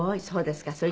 そうですか。